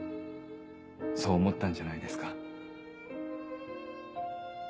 そう思ったんじゃないですか？